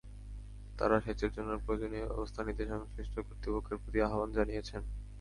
তাঁরা সেচের জন্য প্রয়োজনীয় ব্যবস্থা নিতে সংশ্লিষ্ট কর্তৃপক্ষের প্রতি আহ্বান জানিয়েছেন।